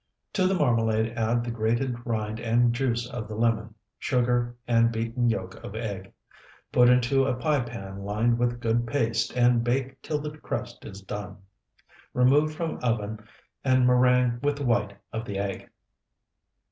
To the marmalade add the grated rind and juice of the lemon, sugar, and beaten yolk of egg; put into a pie pan lined with good paste and bake till the crust is done; remove from oven and meringue with the white of the egg.